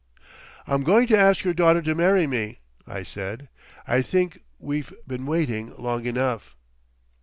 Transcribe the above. "I'm going to ask your daughter to marry me!" I said. "I think we've been waiting long enough."